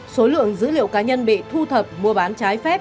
số lượng dữ liệu cá nhân bị thu thập mua bán trái phép